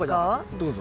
どうぞ。